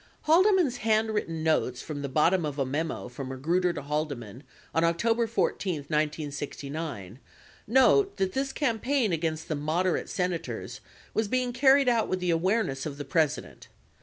Haldeman's handwritten notes from the bottom of a memo from Magruder to Haldeman on October 14, 1969, note that this campaign against the moderate Senators was being carried out with the aware ness of the President.